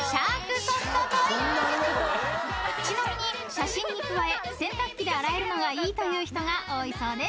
［ちなみに写真に加え洗濯機で洗えるのがいいという人が多いそうです］